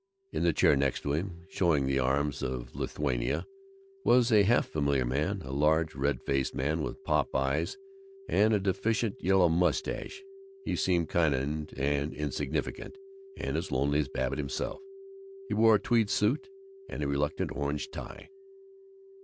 In the chair next to him (showing the arms of Lithuania) was a half familiar man, a large red faced man with pop eyes and a deficient yellow mustache. He seemed kind and insignificant, and as lonely as Babbitt himself. He wore a tweed suit and a reluctant orange tie.